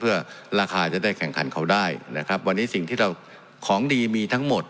เพื่อราคาจะได้แข่งขันเขาได้นะครับวันนี้สิ่งที่เราของดีมีทั้งหมด